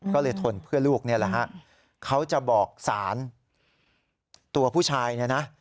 ก็เลยทนเพื่อลูกนี่แหละฮะเขาจะบอกสารตัวผู้ชายเนี่ยนะ